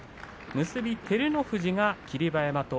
結び照ノ富士が霧馬山と。